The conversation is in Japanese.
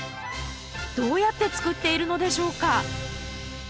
どうやって作っているのでしょうか？